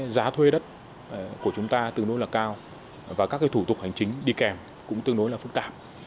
giá thuê đất của chúng ta tương đối là cao và các thủ tục hành chính đi kèm cũng tương đối là phức tạp